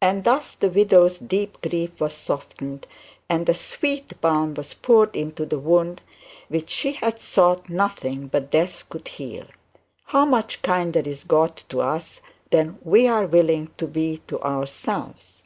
And in this the widow's deep grief was softened, and a sweet balm was poured into the wound which she had thought nothing but death could heal. How much kinder is God to us than we are willing to be to ourselves!